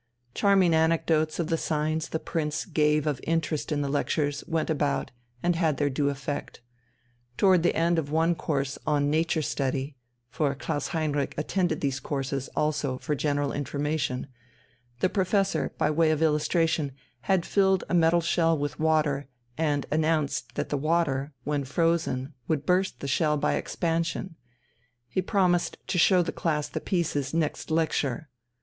Charming anecdotes of the signs the Prince gave of interest in the lectures went about and had their due effect. Towards the end of one course on Nature Study (for Klaus Heinrich attended these courses also "for general information") the Professor, by way of illustration, had filled a metal shell with water and announced that the water, when frozen, would burst the shell by expansion; he promised to show the class the pieces next lecture.